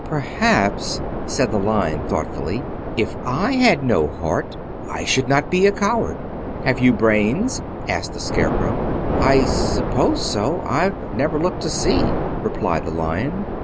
"Perhaps," said the Lion thoughtfully, "if I had no heart I should not be a coward." "Have you brains?" asked the Scarecrow. "I suppose so. I've never looked to see," replied the Lion.